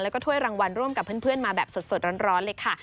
แล้วก็ถ้วยรางวัลร่วมกับเพื่อนมาแบบสดร้อนเลยค่ะ